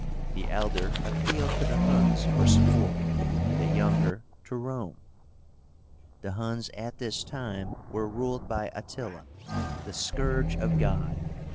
The elder appealed to the Huns for support, the younger to Rome. The Huns at this time were ruled by ATTILA, "the Scourge of God."